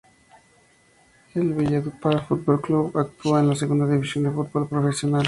El Valledupar Fútbol Club actúa en la segunda división del fútbol profesional.